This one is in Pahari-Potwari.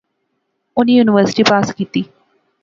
انی یونیورسٹی پاس کیتی